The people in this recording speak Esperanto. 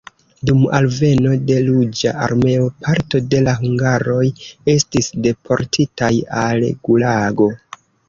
Dum alveno de Ruĝa Armeo parto de la hungaroj estis deportitaj al gulago.